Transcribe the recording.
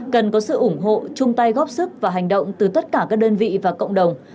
cần có sự ủng hộ chung tay góp sức và hành động từ tất cả các đơn vị và cộng đồng